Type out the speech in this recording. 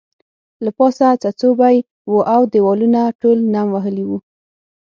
له پاسه څڅوبی وو او دیوالونه ټول نم وهلي وو